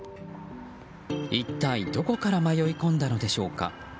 一体どこから迷い込んだのでしょうか。